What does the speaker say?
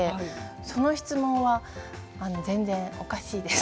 その質問は全然おかしいです。